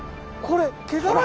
これ。